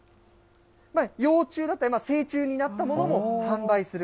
幼虫だったり、成虫になったものも販売する。